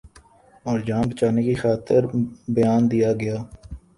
اورجان بچانے کی خاطر بیان دیاگیا۔